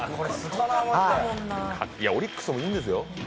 オリックスもいいんですよ